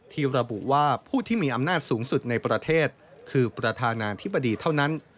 ที่ระบุว่าผู้ที่มีอำนาจสูงสุดในประเทศคือประธานาธิบดีเท่านั้น